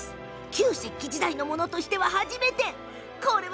旧石器時代のものとしては初めて。